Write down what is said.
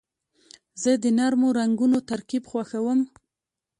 زه د نرمو رنګونو ترکیب خوښوم.